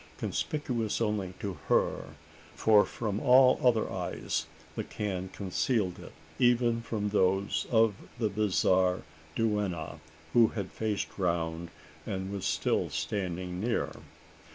Conspicuous only to her: for from all other eyes the can concealed it even from those of the bizarre duenna, who had faced round and was still standing near.